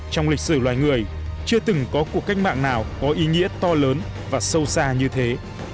trong lịch sử loài người chưa từng có cuộc cách mạng nào có ý nghĩa to lớn và sâu xa như thế